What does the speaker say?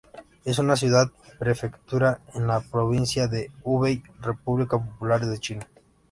Es una ciudad-prefectura en la provincia de Hubei, República Popular de China.